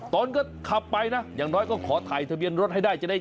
ตนก็ขับไปนะอย่างน้อยก็ขอถ่ายทะเบียนรถให้ได้จะได้